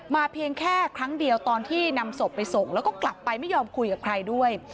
เพียงแค่ครั้งเดียวตอนที่นำศพไปส่งแล้วก็กลับไปไม่ยอมคุยกับใครด้วย